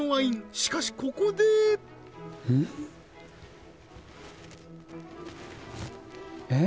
しかしここでえっ？